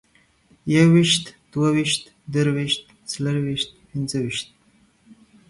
يويشت، دوه ويشت، درويشت، څلرويشت، پينځويشت